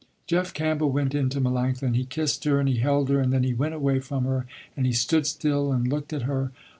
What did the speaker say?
Jeff Campbell went in to Melanctha, and he kissed her, and he held her, and then he went away from her and he stood still and looked at her.